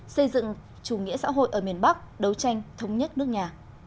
xây dựng chủ nghĩa xã hội ở miền bắc đấu tranh thống nhất nước nhà